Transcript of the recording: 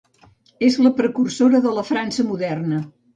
És la precursora de la França moderna.